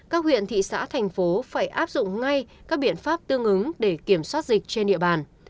các huyện thị xã thành phố phải áp dụng ngay các biện pháp tương ứng để kiểm soát dịch trên địa bàn